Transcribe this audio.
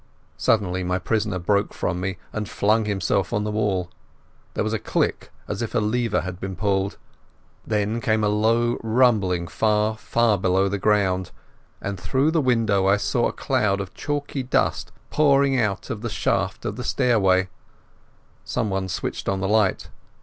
Suddenly my prisoner broke from me and flung himself on the wall. There was a click as if a lever had been pulled. Then came a low rumbling far, far below the ground, and through the window I saw a cloud of chalky dust pouring out of the shaft of the stairway. Someone switched on the light.